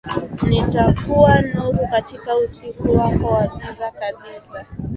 Nitakuwa nuru katika usiku wako wa giza kabisa